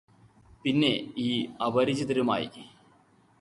പിന്നെ ഈ അപരിചിതരുമായി